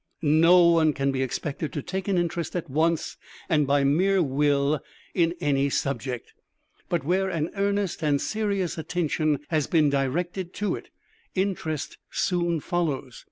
No one can be expected to take an interest at once and by mere will in any subject, but where an earnest and serious Attention has been directed to it, Interest soon follows.